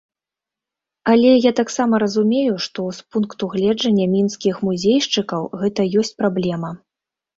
Але я таксама разумею, што з пункту гледжання мінскіх музейшчыкаў гэта ёсць праблема.